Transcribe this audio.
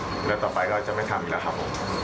เดี๋ยวต่อไปเราจะไม่ทำอีกแล้วครับผม